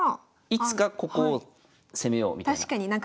いつかここを攻めようみたいな。